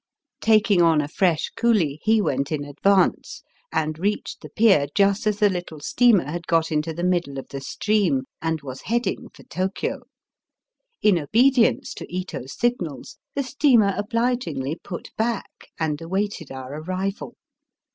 Taking on a fresh coolie, he went in advance, and reached the pier just as the little steamer had got into the middle of the stream, and was heading for Tokio. In obedience to Ito's signals the steamer obligingly put back and awaited our arrival.